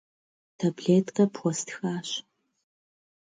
Таблеткэ пхуэстхащ.